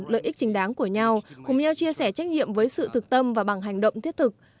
lợi ích chính đáng của nhau cùng nhau chia sẻ trách nhiệm với sự thực tâm và bằng hành động thiết thực